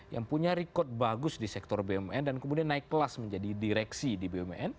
yang punya record bagus di sektor bumn dan kemudian naik kelas menjadi direksi di bumn